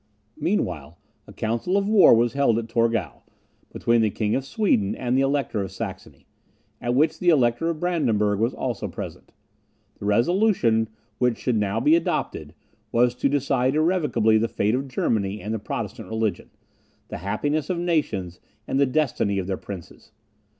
Meanwhile, a council of war was held at Torgau, between the King of Sweden and the Elector of Saxony, at which the Elector of Brandenburg was also present. The resolution which should now be adopted, was to decide irrevocably the fate of Germany and the Protestant religion, the happiness of nations and the destiny of their princes.